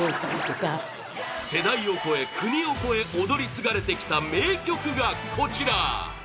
世代を超え、国を超え踊り継がれてきた名曲がこちら